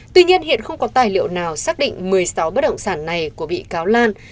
tuy nhiên hiện không có tài liệu nào xác định một mươi sáu bất động sản này của bị cáo lan